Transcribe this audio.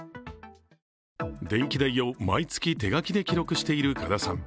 電気代を毎月手書きで記録している加田さん。